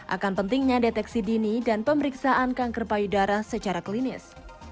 akan pentingnya deteksi dini dan pemeriksaan kanker payudara secara klinis